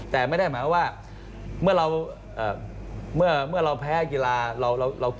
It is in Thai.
แต่ไม่ได้หมายความว่าเมื่อเราแพ้กีฬา